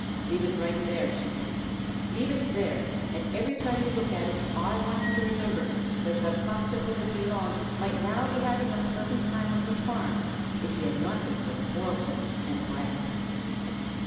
"Leave it right there," she said. "Leave it there, and every time you look at it, I want you to remember that the Cock to whom it belonged might now be having a pleasant time on this farm, if he had not been quarrelsome and bragged."